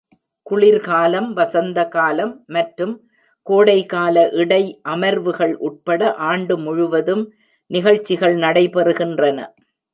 குளிர்காலம், வசந்த காலம் மற்றும் கோடைகால இடை அமர்வுகள் உட்பட ஆண்டு முழுவதும் நிகழ்ச்சிகள் நடைபெறுகின்றன.